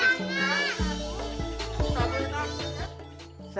kita punya tangan ya